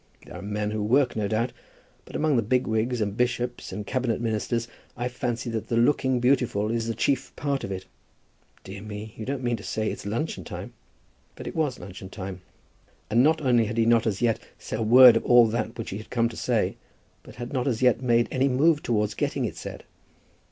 There are men who work, no doubt. But among the bigwigs, and bishops and cabinet ministers, I fancy that the looking beautiful is the chief part of it. Dear me, you don't mean to say it's luncheon time?" But it was luncheon time, and not only had he not as yet said a word of all that which he had come to say, but had not as yet made any move towards getting it said.